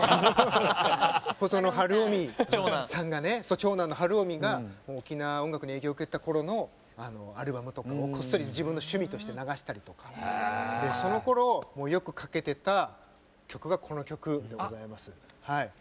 長男の晴臣が沖縄音楽に影響を受けてた頃のアルバムとかをこっそり自分の趣味として流したりとかそのころよくかけてた曲がこの曲でございます。